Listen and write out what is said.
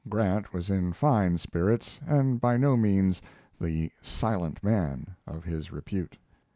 Grant was in fine spirits, and by no means the "silent man" of his repute.